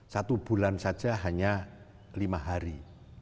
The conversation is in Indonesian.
satu bulan saja hanya lima hari